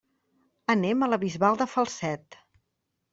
Anem a la Bisbal de Falset.